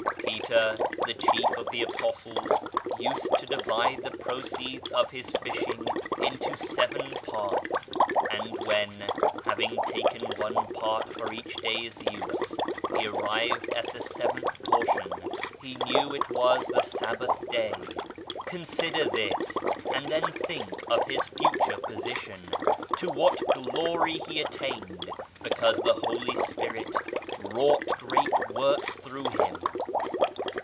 Peter, the Chief of the Apostles, used to divide the proceeds of his fishing into seven parts, and when, having taken one part for each day's use, he arrived at the seventh portion, he knew it was the Sabbath day. Consider this ! and then think of his future position ; to what glory he attained because the Holy Spirit wrought great works through him.